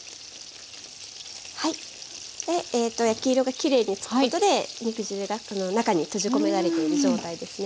はい焼き色がきれいに付くことで肉汁がこの中に閉じ込められている状態ですね。